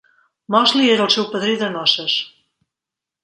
Mosley era el seu padrí de noces.